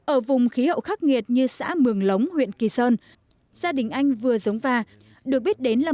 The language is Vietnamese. ở vùng khí hậu khắc nghiệt như xã mường lống huyện kỳ sơn gia đình anh vừa giống va được biết đến là